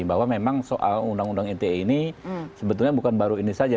bahwa memang soal undang undang ite ini sebetulnya bukan baru ini saja